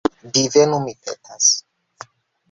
Divenu, mi petas.